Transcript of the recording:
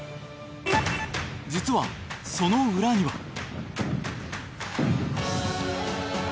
実はその裏には。